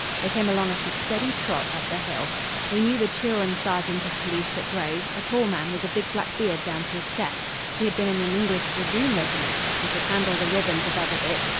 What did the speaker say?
They came along at a steady trot up the hill. We knew the Turon sergeant of police that drove, a tall man with a big black beard down to his chest. He had been in an English dragoon regiment, and could handle the ribbons above a bit.